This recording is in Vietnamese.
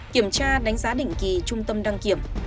kiểm tra đánh giá định kỳ trung tâm đăng kiểm